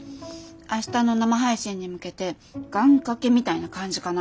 明日の生配信に向けて願かけみたいな感じかな。